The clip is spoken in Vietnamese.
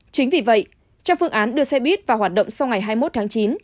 chính vì vậy trong phương án đưa xe buýt vào hoạt động sau ngày hai mươi một tháng chín